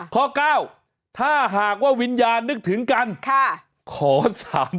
ข้อ๙ถ้าหากว่าวิญญาณนึกถึงกันขอ๓๐๐